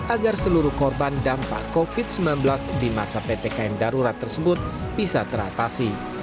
agar seluruh korban dampak covid sembilan belas di masa ppkm darurat tersebut bisa teratasi